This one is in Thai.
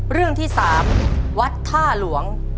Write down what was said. เรื่องที่๓วัดท่าเรื่อง